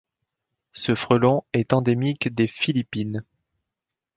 Ce frelon est endémique des Philippines.